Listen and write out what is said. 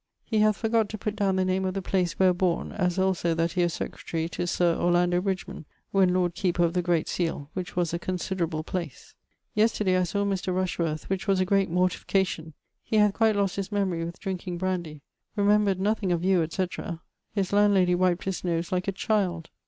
He hath forgott to putt downe the name of the place where borne: as also that he was secretary to Sir Orlando Bridgeman, when Lord Keeper of the great seale, which was a considerable place. Yesterday I saw Mr. Rushworth: which was a great mortification. He hath quite lost his memory with drinking brandy. Remembred nothing of you, etc. His landlady wiped his nose like a child.